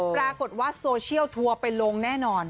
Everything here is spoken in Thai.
ปรากฏว่าโซเชียลทัวร์ไปลงแน่นอน